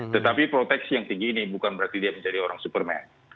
tetapi proteksi yang tinggi ini bukan berarti dia menjadi orang superman